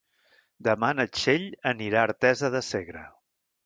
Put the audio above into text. Demà na Txell anirà a Artesa de Segre.